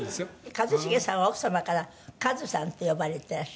「一茂さんは奥様からカズさんって呼ばれてらっしゃる？」